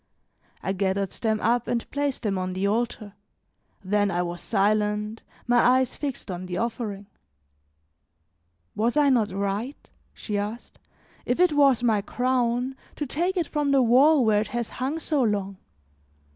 I gathered them up and placed them on the altar, then I was silent, my eyes fixed on the offering. "Was I not right," she asked, "if it was my crown, to take it from the wall where it has hung so long?